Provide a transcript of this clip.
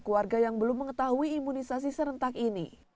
keluarga yang belum mengetahui imunisasi serentak ini